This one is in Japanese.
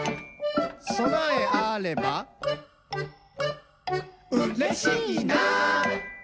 「そなえあればうれしいな！」